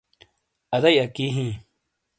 اَدئی اکی ہیں۔